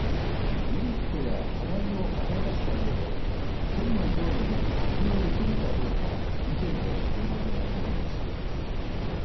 メリットや課題を洗い出したうえで県の業務に活用できるかどうか意見を取りまとめることにしています。